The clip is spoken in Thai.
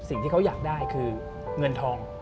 สิ่งที่เขาอยากได้คือเงินทอง